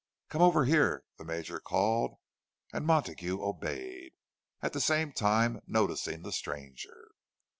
"Come over here," the Major called; and Montague obeyed, at the same time noticing the stranger.